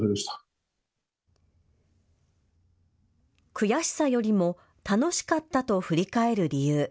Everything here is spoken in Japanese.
悔しさよりも楽しかったと振り返る理由。